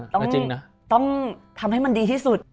ต้องทำให้มันดีที่สุด